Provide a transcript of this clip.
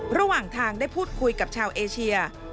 ระหว่างทางได้พูดคุยกับชาวเอเชีย